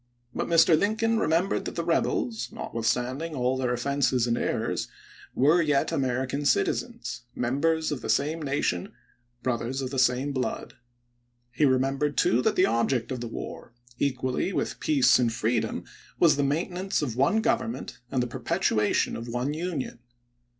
But Mr. Lincoln remembered that the rebels, notwithstanding all their offenses and errors, were yet American citizens, members of the same nation, brothers of the same blood. He re membered, too, that the object of the war, equally with peace and freedom, was the maintenance of one government and the perpetuation of one THE SECOND INAUGURAL 135 Union.